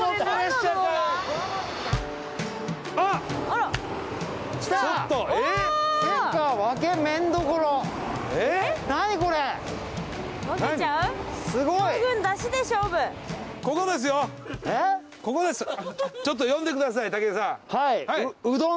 ちょっと読んでください武井さん。